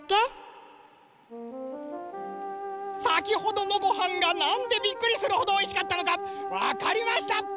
さきほどのごはんがなんでびっくりするほどおいしかったのかわかりました！